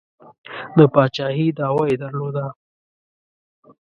د پاچهي دعوه یې درلوده.